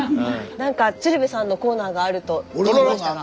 なんか鶴瓶さんのコーナーがあると聞きましたが。